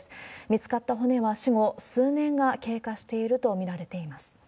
見つかった骨は死後数年が経過していると見られています。